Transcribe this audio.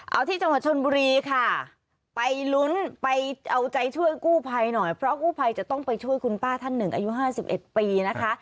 เอาที่จังหวัดชนบุรีค่ะไปลุ้นไปเอาใจช่วยกู้ภัยหน่อยเพราะกู้ภัยจะต้องไปช่วยคุณป้าท่านหนึ่งอายุ๕๑ปีนะคะ